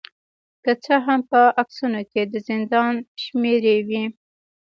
که څه هم په عکسونو کې د زندان شمیرې وې